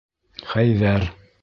Хәйҙәр!